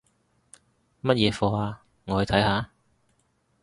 乜嘢課吖？我去睇下